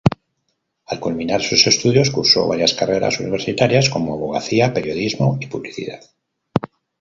Al culminar sus estudios, cursó varias carreras universitarias, como abogacía, periodismo y publicidad.